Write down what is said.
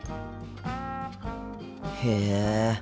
へえ。